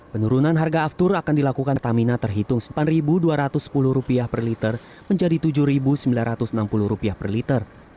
penurunan harga aftur akan dilakukan pertamina terhitung rp empat dua ratus sepuluh per liter menjadi rp tujuh sembilan ratus enam puluh per liter